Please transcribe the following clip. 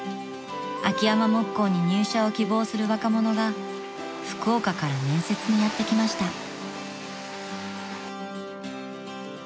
［秋山木工に入社を希望する若者が福岡から面接にやって来ました］